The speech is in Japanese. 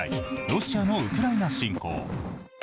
ロシアのウクライナ侵攻。